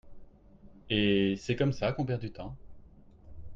Et c'est comme ça qu'on perd du temps.